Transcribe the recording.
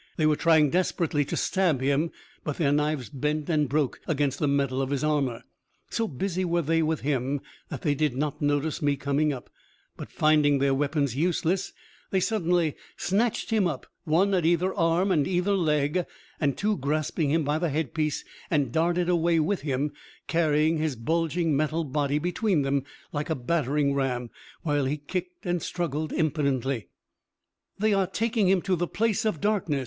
They were trying desperately to stab him, but their knives bent and broke against the metal of his armor. So busy were they with him that they did not notice me coming up, but finding their weapons useless, they suddenly snatched him up, one at either arm and either leg, and two grasping him by the head piece, and darted away with him, carrying his bulging metal body between them like a battering ram, while he kicked and struggled impotently. "They are taking him to the Place of Darkness!"